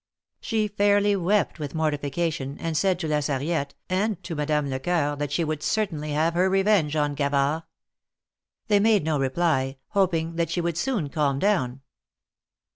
She fairly wept with mortifi cation, and said to La Sarriette, and to Madame Lecoeur, that she would certainly have her revenge on Gavard. They made no reply, hoping that she would soon calm down.